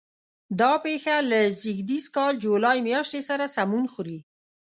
دا پېښه له زېږدیز کال جولای میاشتې سره سمون خوري.